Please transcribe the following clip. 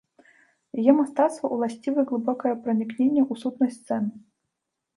Яе мастацтву ўласцівы глыбокае пранікненне ў сутнасць сцэн.